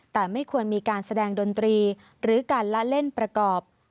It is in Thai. แต่ไม่ควรมีการแสดงดนตรีหรือการละเล่นประกอบ